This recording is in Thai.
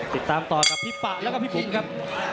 ติดตามต่อพี่ปะและพี่ปุ๊กครับ